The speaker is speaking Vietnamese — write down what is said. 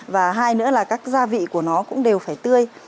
và hai nữa là các gia vị của nó cũng đều phải tươi